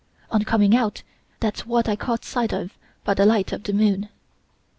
On coming out, that's what I caught sight of by the light of the moon.